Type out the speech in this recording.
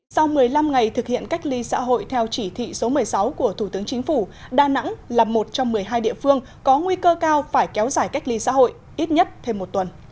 sau một mươi năm ngày thực hiện cách ly xã hội theo chỉ thị số một mươi sáu của thủ tướng chính phủ đà nẵng là một trong một mươi hai địa phương có nguy cơ cao phải kéo dài cách ly xã hội ít nhất thêm một tuần